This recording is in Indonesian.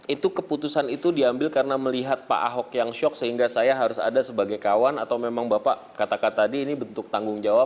itu keputusan itu diambil karena melihat pak ahok yang shock sehingga saya harus ada sebagai kawan atau memang bapak kata kata tadi ini betul